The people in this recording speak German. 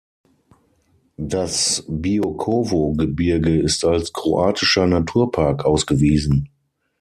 Das Biokovo-Gebirge ist als kroatischer Naturpark ausgewiesen.